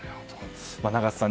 永瀬さん